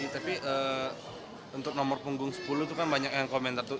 tapi untuk nomor punggung sepuluh itu kan banyak yang komentar tuh